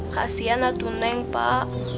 kasian atuneng pak